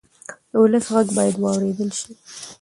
د ولس غږ باید واورېدل شي.